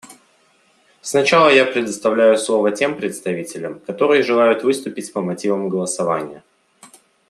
Сначала я предоставляю слово тем представителям, которые желают выступить по мотивам голосования.